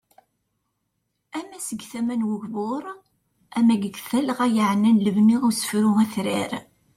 Ama seg tama n ugbur, ama deg talɣa yaɛnan lebni usefru atrar.